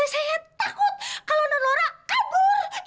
saya takut kalau nonora kabur